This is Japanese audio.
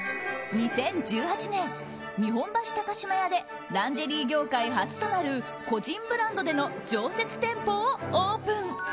２０１８年、日本橋高島屋でランジェリー業界初となる個人ブランドでの常設店舗をオープン。